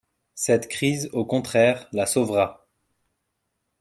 cette crise, au contraire, la sauvera !